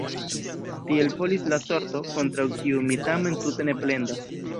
Tiel volis la sorto, kontraŭ kiu mi tamen tute ne plendas.